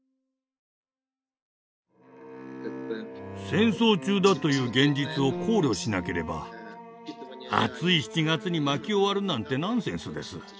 戦争中だという現実を考慮しなければ暑い７月に薪を割るなんてナンセンスです。